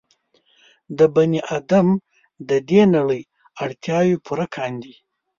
د بني ادم د دې نړۍ اړتیاوې پوره کاندي.